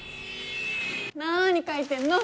なに書いてんの？